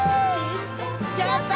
やった！